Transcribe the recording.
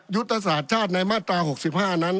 ยุตสาธิ์ชาติในมาตรา๖๕นั้น